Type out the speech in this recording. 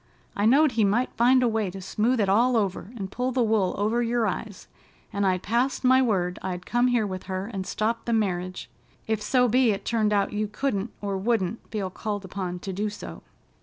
I knowed he might find a way to smooth it all over and pull the wool over your eyes, and I'd passed my word I'd come here with her and stop the marriage, if so be it turned out you couldn't or wouldn't feel called upon to do so.